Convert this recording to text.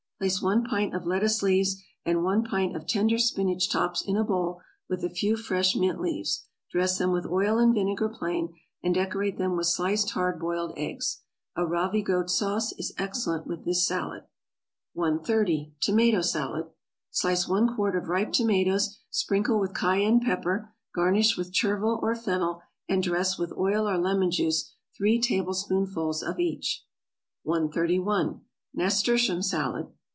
= Place one pint of lettuce leaves, and one pint of tender spinach tops in a bowl with a few fresh mint leaves, dress them with oil and vinegar plain, and decorate them with sliced hard boiled eggs. A ravigote sauce is excellent with this salad. 130. =Tomato Salad.= Slice one quart of ripe tomatoes, sprinkle with cayenne pepper, garnish with chervil or fennel, and dress with oil or lemon juice three tablespoonfuls of each. 131. =Nasturtium Salad.